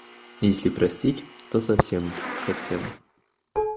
Если простить, то совсем, совсем.